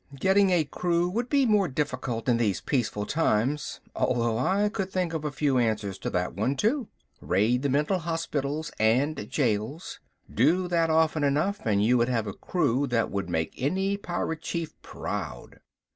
Getting a crew would be more difficult in these peaceful times, although I could think of a few answers to that one, too. Raid the mental hospitals and jails. Do that often enough and you would have a crew that would make any pirate chief proud.